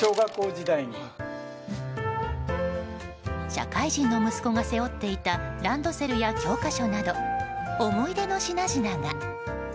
社会人の息子が背負っていたランドセルや教科書など思い出の品々が。